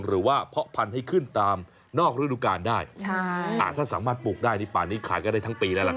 เพาะพันธุ์ให้ขึ้นตามนอกฤดูกาลได้ถ้าสามารถปลูกได้ในป่านี้ขายก็ได้ทั้งปีแล้วล่ะครับ